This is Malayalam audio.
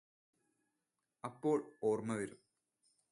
അപ്പോൾ ഓർമ്മ വരും